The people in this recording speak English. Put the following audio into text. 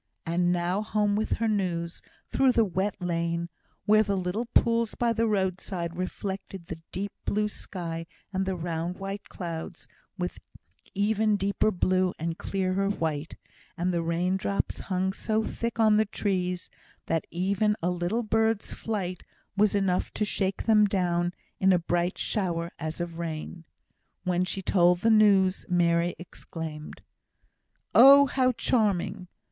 And now home with her news, through the wet lane, where the little pools by the roadside reflected the deep blue sky and the round white clouds with even deeper blue and clearer white; and the rain drops hung so thick on the trees, that even a little bird's flight was enough to shake them down in a bright shower as of rain. When she told the news, Mary exclaimed, "Oh, how charming!